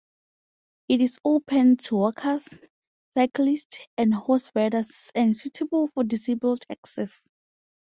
It is open to walkers, cyclists and horse riders and suitable for disabled access.